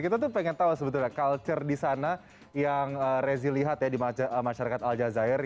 kita tuh pengen tahu sebetulnya culture di sana yang rezi lihat ya di masyarakat al jazeera